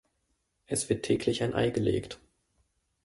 Es wird täglich ein Ei gelegt.